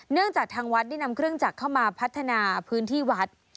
จากทางวัดได้นำเครื่องจักรเข้ามาพัฒนาพื้นที่วัด